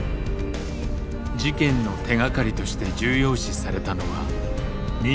事件の手がかりとして重要視されたのは人相。